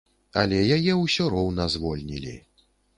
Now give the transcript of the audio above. Але яе ўсё роўна звольнілі.